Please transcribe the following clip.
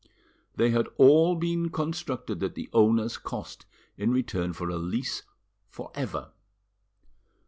They had all been constructed at the owner's cost, in return for a lease for ever.